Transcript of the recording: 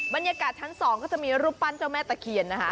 บรรยากาศชั้น๒ก็จะมีรูปปั้นเจ้าแม่ตะเคียนนะคะ